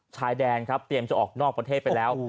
ชายแดนครับเตรียมจะออกนอกประเทศไปแล้ว